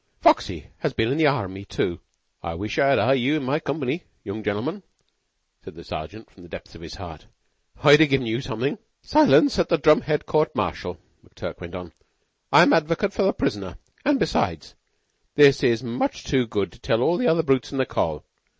Foxy has been in the Army, too." "I wish I'd ha' had you in my company, young gentlemen," said the Sergeant from the depths of his heart; "I'd ha' given you something." "Silence at drum head court martial," McTurk went on. "I'm advocate for the prisoner; and, besides, this is much too good to tell all the other brutes in the Coll.